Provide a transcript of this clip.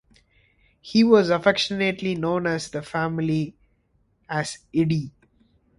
He was affectionately known in his family as 'Edi'.